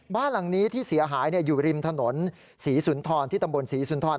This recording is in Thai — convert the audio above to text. บ้านหลังนี้ที่เสียหายอยู่ริมถนนศรีสุนทรที่ตำบลศรีสุนทร